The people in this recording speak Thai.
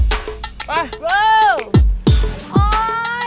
ไป